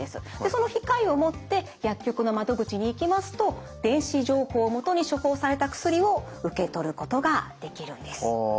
その控えを持って薬局の窓口に行きますと電子情報をもとに処方された薬を受け取ることができるんです。